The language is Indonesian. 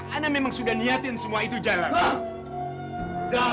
saya memang sudah meniatkan semua itu jalan